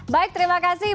baik terima kasih